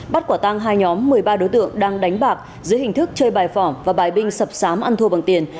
bắt quả tăng hai nhóm một mươi ba đối tượng đang đánh bạc dưới hình thức chơi bài phỏ và bài binh sập sám ăn thua bằng tiền